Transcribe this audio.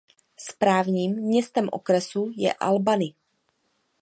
Správním městem okresu je Albany.